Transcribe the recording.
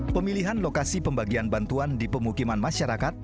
pemilihan lokasi pembagian bantuan di pemukiman masyarakat